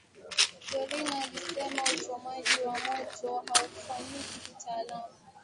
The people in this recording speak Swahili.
Dorina alisema uchomaji wa moto hufanyika kitaalamu